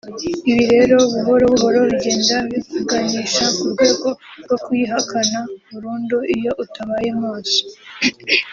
ibi rero buhoro buhoro bigenda bikuganisha ku rwego rwo kuyihakana burundu iyo utabaye maso